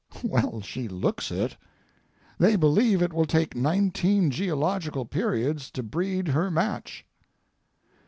Well, she looks it. They believe it will take nineteen geological periods to breed her match.